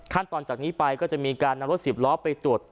ตอนจากนี้ไปก็จะมีการนำรถสิบล้อไปตรวจ